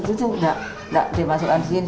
tidak dimasukkan di sini